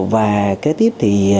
và kế tiếp thì